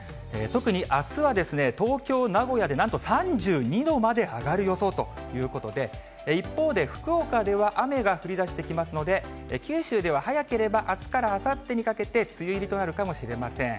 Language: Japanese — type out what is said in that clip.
特にあすは東京、名古屋でなんと３２度まで上がる予想ということで、一方で、福岡では雨が降りだしてきますので、九州では早ければあすからあさってにかけて、梅雨入りとなるかもしれません。